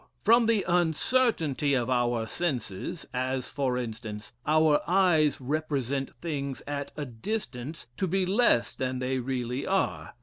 From the uncertainty of our senses, as, for instance, our eyes represent things at a distance to be less than they really are.